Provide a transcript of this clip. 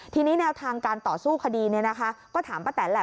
ทีนี้แนวทางการต่อสู้คดีก็ถามป้าแตนแหละ